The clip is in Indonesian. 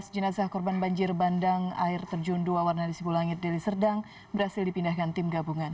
enam belas jenazah korban banjir bandang air terjun dua warna di sibu langit deliserdang berhasil dipindahkan tim gabungan